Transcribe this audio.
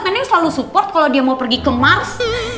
neneng selalu support kalau dia mau pergi ke mars